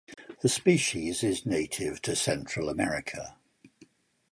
The species is native to Central America.